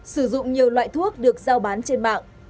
cũng nhiều loại thuốc được giao bán trên mạng